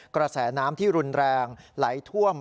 กระแสน้ำที่รุนแรงไหลท่วม